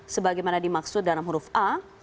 sebagaimana dimaksud dalam huruf a